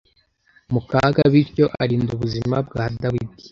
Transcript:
mu kaga bityo arinda ubuzima bwa Dawidi